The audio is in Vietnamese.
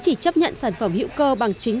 chỉ chấp nhận sản phẩm hữu cơ bằng chính